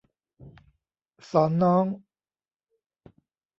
สอนน้อง